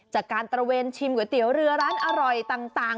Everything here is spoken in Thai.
ตระเวนชิมก๋วยเตี๋ยวเรือร้านอร่อยต่าง